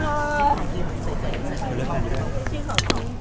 ขอบคุณค่ะ